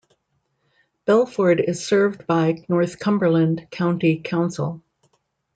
Belford is served by Northumberland County Council.